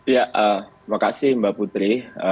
ya makasih mbak putri